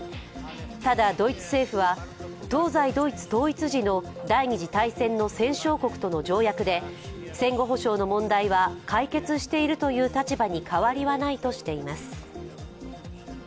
ただドイツ政府は、東西ドイツ統一時の第二次大戦の戦勝国との条約で戦後補償の問題は解決しているという立場に変わりはないとしています。